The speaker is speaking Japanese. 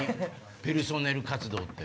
『ペルソネル活動』って。